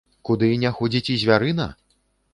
Куды не ходзіць і звярына?